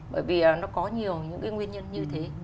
bởi vì nó có nhiều những cái nguyên nhân như thế